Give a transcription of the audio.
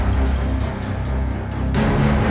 untuk sesuatu yang lebih besar